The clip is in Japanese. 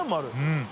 うん。